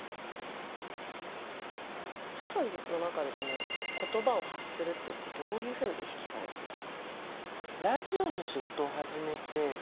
スーさんの中で言葉を発するっていうことどういうふうに意識されてますか？